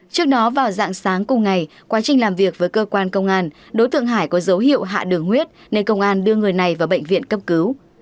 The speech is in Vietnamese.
trước đó vào dạng sáng cùng ngày quá trình làm việc với cơ quan công an đối tượng hải có dấu hiệu hạ đường huyết nên công an đưa người này vào bệnh viện cấp cứu